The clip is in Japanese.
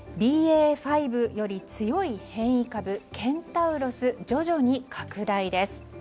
ＢＡ．５より強い変異株ケンタウロス徐々に拡大です。